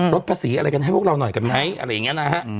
ลดภาษีอะไรกันให้พวกเราหน่อยกันไหมอะไรอย่างนี้นะฮะ